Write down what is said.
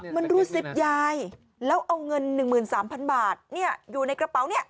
มันรูดซิปยายแล้วเอาเงิน๑๓๐๐๐บาทอยู่ในกระเป๋าเนี่ย